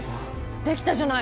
できたじゃない！